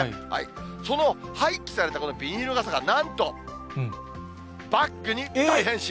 その廃棄されたこのビニール傘がなんと、バッグに大変身。